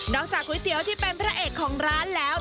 จากก๋วยเตี๋ยวที่เป็นพระเอกของร้านแล้ว